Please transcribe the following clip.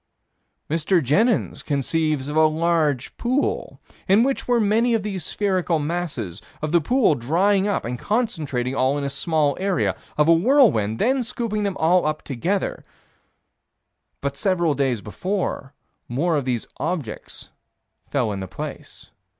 Mr. Jenyns conceives of a large pool, in which were many of these spherical masses: of the pool drying up and concentrating all in a small area; of a whirlwind then scooping all up together But several days later, more of these objects fell in the same place.